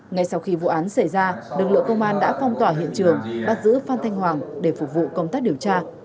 ngay sau khi vụ án xảy ra lực lượng công an đã phong tỏa hiện trường bắt giữ phan thanh hoàng để phục vụ công tác điều tra